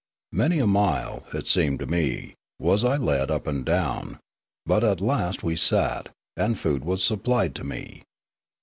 Many a mile, it seemed to me, was I led up and down, but at last we sat, and food was supplied to me.